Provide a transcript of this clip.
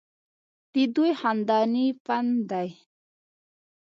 ددوي خانداني فن دے